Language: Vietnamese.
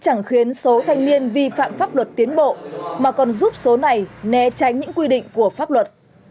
chẳng khiến số thanh niên vi phạm pháp luật tiến bộ mà còn giúp số này né tránh những quy định của pháp luật